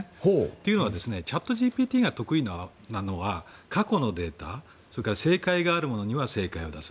というのはチャットＧＰＴが得意なのは過去のデータやそれから正解があるものには正解を出す。